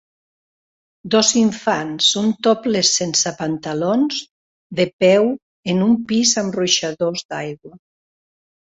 Dos infants un topless sense pantalons de peu en un pis amb ruixadors d'aigua